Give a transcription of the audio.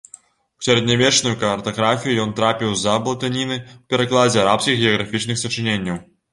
У сярэднявечную картаграфію ён трапіў з-за блытаніны ў перакладзе арабскіх геаграфічных сачыненняў.